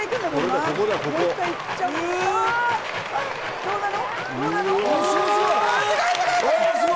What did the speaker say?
どうなの？